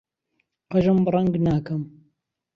قژم ڕەنگ ناکەم.